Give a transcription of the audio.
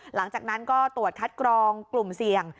หลังจากนั้นก็ตรวจคัดกรองกลุ่มเสี่ยง